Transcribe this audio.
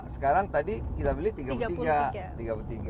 sekarang tadi kita beli tiga puluh tiga